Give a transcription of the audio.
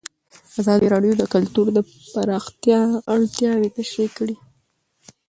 ازادي راډیو د کلتور د پراختیا اړتیاوې تشریح کړي.